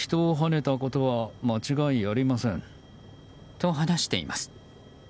と、話しています。